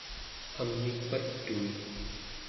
amiik patuu!